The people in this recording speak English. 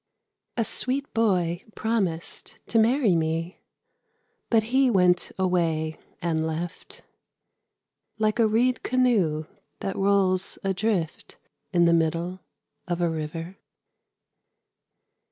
A sweet boy promised to marry me, But he went away and left Like a reed canoe that rolls adrift In the middle of a river.